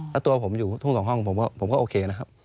แล้วตัวผมอยู่ทุ่งสองห้องผมก็โอเคนะครับ